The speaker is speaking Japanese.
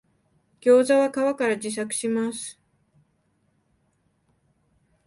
ギョウザは皮から自作します